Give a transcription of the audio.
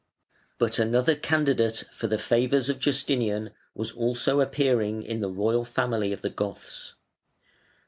But another candidate for the favours of Justinian was also appearing in the royal family of the Goths.